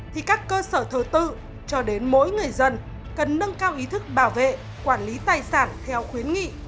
thì các cơ sở thờ tự cho đến mỗi người dân cần nâng cao ý thức bảo vệ quản lý tài sản theo khuyến nghị